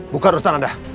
bukan urusan anda